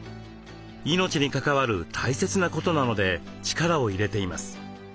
命に関わる大切なことなので力を入れています。